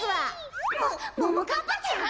もももかっぱちゃん？